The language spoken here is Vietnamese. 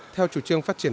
theo chủ trương phát triển